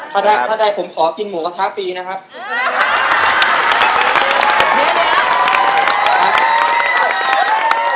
ถ้าได้ผมขอกินหมูกระทะฟรีนะครับ